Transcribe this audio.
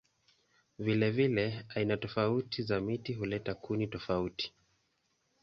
Vilevile aina tofauti za miti huleta kuni tofauti.